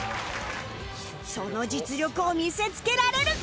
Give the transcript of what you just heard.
その実力を見せつけられるか？